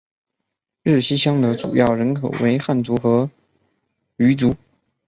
日溪乡的主要人口为汉族和畲族。